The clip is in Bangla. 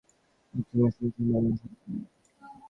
বাদ্যের মোহে বিভোর হয়ে যাওয়ার অসীম ক্ষমতা আছে এই বাঙালি সন্তানের।